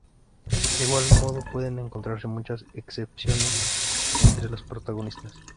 De igual modo pueden encontrarse muchas excepciones entre los protagonistas.